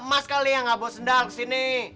mas kali ya gak bawa sendal ke sini